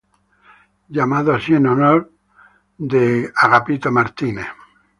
Llamado así en honor de Thomas Jefferson.